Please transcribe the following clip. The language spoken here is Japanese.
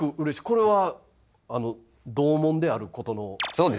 これは同門であることの加算点が？